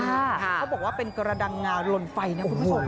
เขาบอกว่าเป็นกระดังงาลนไฟนะคุณผู้ชม